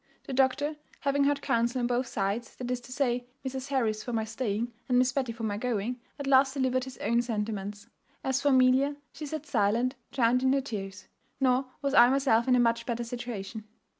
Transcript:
"The doctor, having heard counsel on both sides, that is to say, Mrs. Harris for my staying, and Miss Betty for my going, at last delivered his own sentiments. As for Amelia, she sat silent, drowned in her tears; nor was I myself in a much better situation.